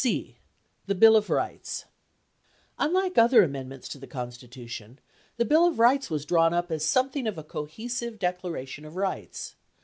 C. The Bill of Rights Unlike other amendments to the Constitution, the Bill of Rights was drawn up as something of a cohesive declaration of rights.